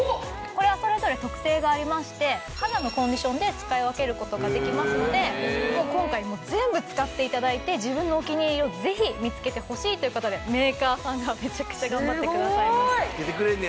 これはそれぞれ特性がありまして肌のコンディションで使い分ける事ができますので今回もう全部使って頂いて自分のお気に入りをぜひ見つけてほしいという事でメーカーさんがめちゃくちゃ頑張ってくださいました。